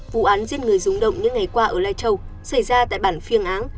vụ án giết người rúng động những ngày qua ở lai châu xảy ra tại bản phiêng áng